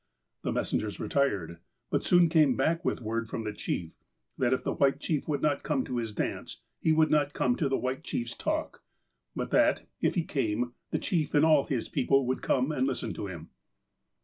The messengers retired, but soon came back with word from the chief, that if the white chief would not come to his dance, he would not come to the white chief's talk, but that, if he came, the chief and all his people would come and listen to him.